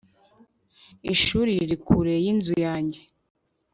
ishuri riri kure yinzu yanjye